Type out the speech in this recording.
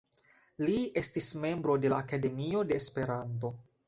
Li estis membro de la Akademio de Esperanto.